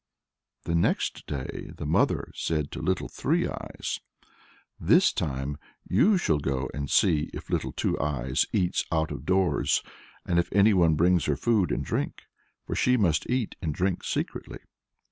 The next day the mother said to Little Three Eyes, "This time you shall go and see if Little Two Eyes eats out of doors, and if anyone brings her food and drink, for she must eat and drink secretly."